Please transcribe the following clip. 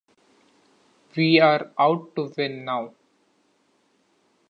We are out to win, now!